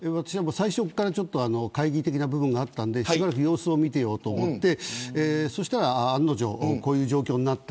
最初から懐疑的な部分があったのでしばらく様子を見ようと思ってそしたら案の定こんな状況になった。